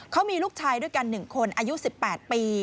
เขามีลูกชายด้วยกัน๑คนอายุ๑๘ปี